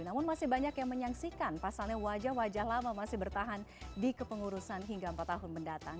namun masih banyak yang menyaksikan pasalnya wajah wajah lama masih bertahan di kepengurusan hingga empat tahun mendatang